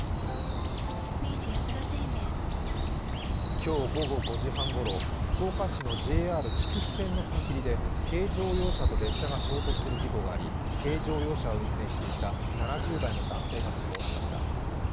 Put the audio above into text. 今日午後５時半ごろ、福岡市のＪＲ筑肥線の踏切で軽乗用車と列車が衝突する事故があり軽乗用車を運転していた７０代の男性が死亡しました。